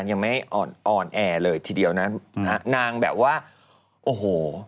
ยังไม่อ่อนอ่อนแอเลยทีเดียวนะนางแบบว่าโอ้โห